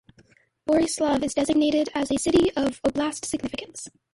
Boryslav is designated as a city of oblast significance.